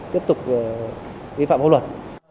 tiếp tục vi phạm hôn luật